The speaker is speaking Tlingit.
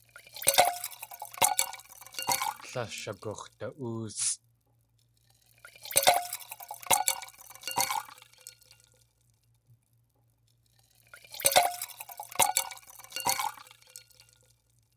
Tlél shagux̲da.óosʼ.